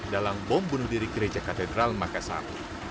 dalam bom bunuh diri gereja katedral makassar